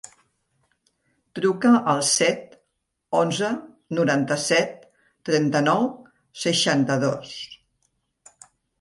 Truca al set, onze, noranta-set, trenta-nou, seixanta-dos.